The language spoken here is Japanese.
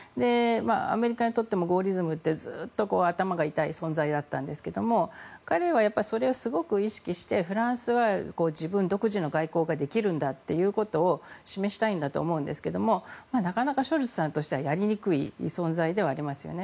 アメリカにとってもゴーリズムってずっと頭が痛い存在だったんですが彼はやっぱりそれをすごく意識してフランスは独自の外交ができるんだということを示したいんだと思うんですがなかなかショルツさんとしてはやりにくい存在ではありますよね。